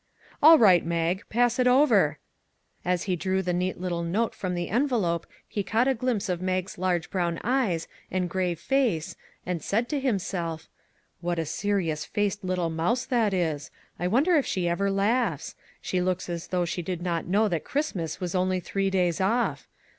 " All right, Mag, pass it over." As he drew the neat little note from the envelope he caught a glimpse of Mag's large brown eyes and grave face, and said to himself :" What a serious faced little mouse that is. I wonder if she ever laughs ? She looks as though she did not know that Christmas was only three days off.